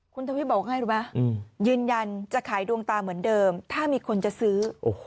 คุณทวีฟบอกง่ายหรือเปล่ายืนยันจะขายดวงตาเหมือนเดิมข้ามีคนจะซื้อ